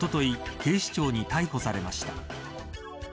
警視庁に逮捕されました。